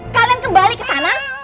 kalian kembali ke sana